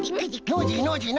ノージーノージー